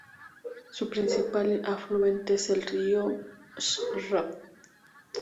Su principal afluente es el río Svratka.